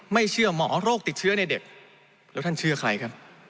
ไม่เชื่อหมอโรคติดเชื้อในเด็กแล้วท่านเชื่อใครครับ